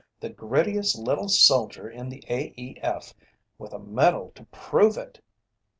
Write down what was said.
The grittiest little soldier in the A.E.F., with a medal to prove it!"